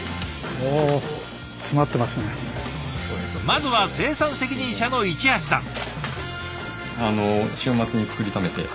まずは生産責任者の市橋さん。